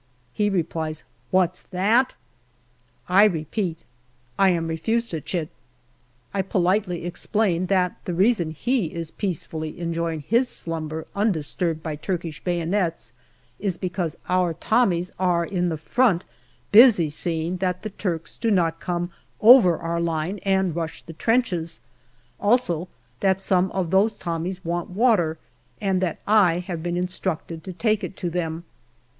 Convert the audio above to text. He replies, " What's that ?" I repeat. I am refused a chit. I politely explain that the reason he is peacefully enjoying his slumber un disturbed by Turkish bayonets is because our Tommies are in the front busy seeing that the Turks do not come over our line and rush the trenches, also that some of those Tommies want water, and that I have been instructed to take it to them.